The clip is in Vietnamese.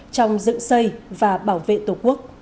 trong dựng xây và bảo vệ an ninh tổ quốc